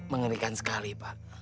mengerikan sekali pak